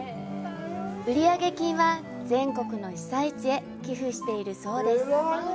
売上金は、全国の被災地へ寄附しているそうです。